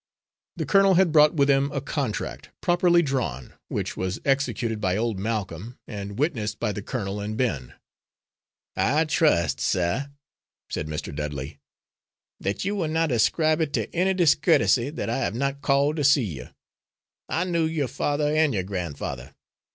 The colonel had brought with him a contract, properly drawn, which was executed by old Malcolm, and witnessed by the colonel and Ben. "I trust, sir," said Mr. Dudley, "that you will not ascribe it to any discourtesy that I have not called to see you. I knew your father and your grandfather.